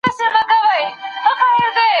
درس د میني راکه بیا همدم راکه